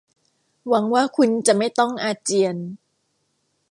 หวังว่าคุณจะไม่ต้องอาเจียน